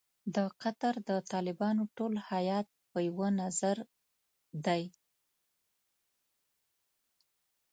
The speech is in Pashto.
د قطر د طالبانو ټول هیات په یوه نظر دی.